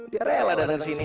dia rela datang kesini